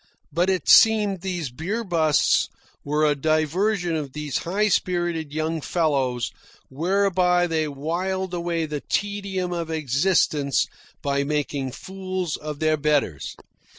But it seemed these beer busts were a diversion of these high spirited young fellows whereby they whiled away the tedium of existence by making fools of their betters.